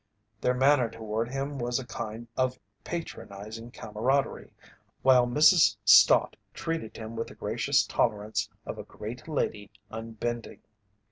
Their manner toward him was a kind of patronizing camaraderie, while Mrs. Stott treated him with the gracious tolerance of a great lady unbending.